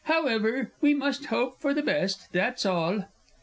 However, we must hope for the best, that's all!